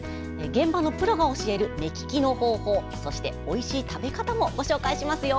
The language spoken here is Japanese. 現場のプロが教える目利きの方法そしておいしい食べ方もご紹介しますよ。